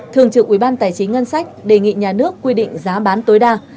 thường trực ubthqh đề nghị nhà nước quy định giá bán tối đa